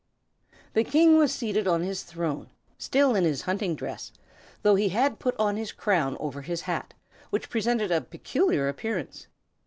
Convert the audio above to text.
The King was seated on his throne, still in his hunting dress, though he had put on his crown over his hat, which presented a peculiar appearance.